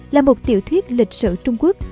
là một tiểu thuyết lịch sử trung quốc